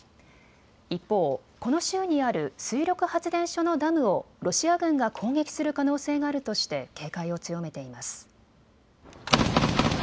一方、この州にある水力発電所のダムをロシア軍が攻撃する可能性があるとして警戒を強めています。